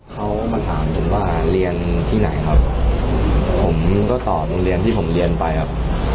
เขามาถามผมว่าเรียนที่ไหนครับผมก็สอนโรงเรียนที่ผมเรียนไปครับ